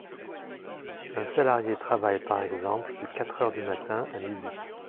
Un salarié travaille par exemple de quatre heures du matin à midi.